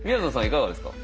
いかがですか？